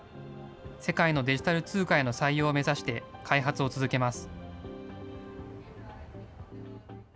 世界のデジタル通貨への採用を目指して、開発を続けます。